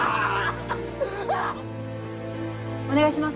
お願いします。